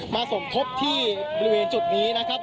มาส่งพบที่บริเวณจุดนี้